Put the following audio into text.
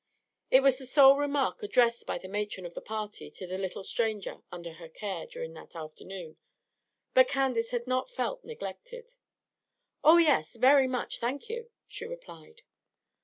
It was the sole remark addressed by the "matron" of the party to the little stranger under her care during that afternoon; but Candace had not felt neglected. "Oh, yes; very much, thank you," she replied.